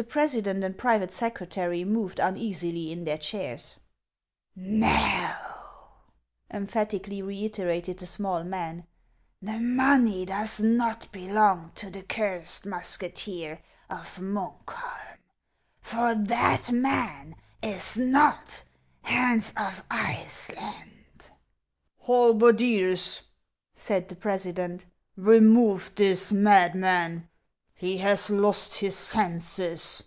The president and private secretary moved uneasily in their chairs. 476 HANS OF ICELAND. " Xo !" emphatically reiterated the small man, " the money does not belong to the cursed musketeer of Munk holm, for that man is not Hans of Iceland." "Halberdiers," said the president, "remove this madman; he has lost his senses."